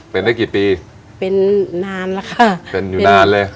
เป็นได้กี่ปีเป็นนานแล้วค่ะเป็นอยู่นานเลย